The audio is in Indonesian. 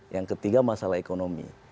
yang ketiga masalah ekonomi